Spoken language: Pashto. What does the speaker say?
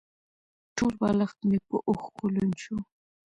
ټول بالښت مې په اوښکو لوند شو.